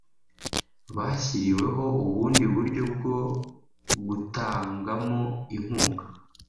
bashyiriweho ubundi buryo bwo gutangamo inkunga